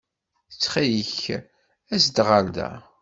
Ttxil-k, as-d ɣer da.